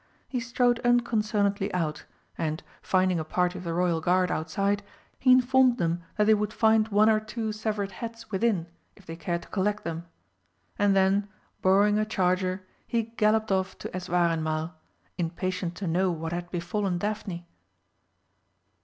He strode unconcernedly out, and, finding a party of the Royal guard outside, he informed them that they would find one or two severed heads within if they cared to collect them, and then, borrowing a charger, he galloped off to Eswareinmal, impatient to know what had befallen Daphne.